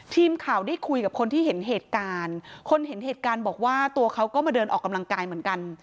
ทีมข่าวได้คุยกับคนที่เห็นเหตุการณ์คนเห็นเหตุการณ์บอกว่าตัวเขาก็มาเดินออกกำลังกายเหมือนกัน